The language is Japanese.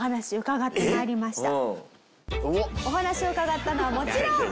お話を伺ったのはもちろんこの方。